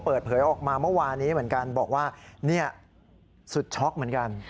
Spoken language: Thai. เปิดเผยออกมาเมื่อวานนี้เหมือนกันบอกว่าเนี่ยสุดช็อกเหมือนกัน